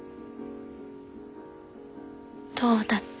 どうだった？